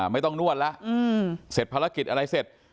ไม่ต้องนวดแล้วเสร็จภารกิจอะไรเสร็จ